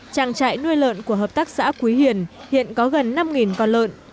trạng trại nuôi lợn của hợp tác xã quý hiển hiện có gần năm con lợn